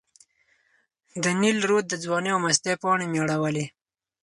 د نیل رود د ځوانۍ او مستۍ پاڼې مې اړولې.